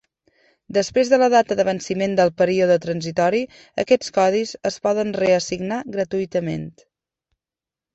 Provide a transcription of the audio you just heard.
Després de la data de venciment del període transitori, aquests codis es poden reassignar gratuïtament.